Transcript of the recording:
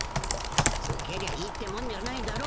受けりゃいいってもんじゃないだろ。